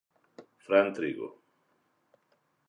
Fran Trigo.